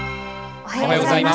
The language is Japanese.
おはようございます。